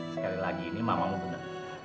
sekali lagi ini mamamu benar